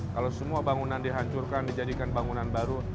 kalau semua bangunan dihancurkan dijadikan bangunan baru